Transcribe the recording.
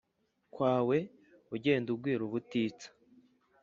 kwawe ugende ugwira ubutitsa.”